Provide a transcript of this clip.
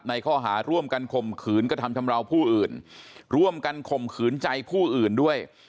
ข้อหาร่วมกันข่มขืนกระทำชำราวผู้อื่นร่วมกันข่มขืนใจผู้อื่นด้วย